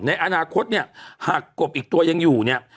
ในอนาคตเนี่ยหากกบอีกตัวยังอยู่เนี่ย